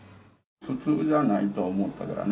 普通じゃないと思ったからね。